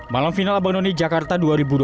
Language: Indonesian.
malam final abang none jakarta dua ribu dua puluh